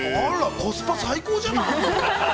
◆コスパ最高じゃない。